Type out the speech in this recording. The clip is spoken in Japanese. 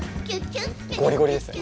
ゴリゴリですね。